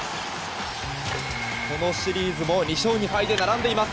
このシリーズも２勝２敗で並んでいます。